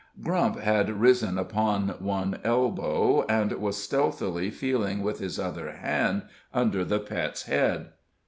Grump had risen upon one elbow, and was stealthily feeling with his other hand under the Pet's head.